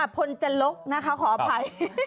พลจลกนะคะขออภัย